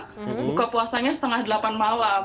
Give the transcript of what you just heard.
buka puasanya setengah delapan malam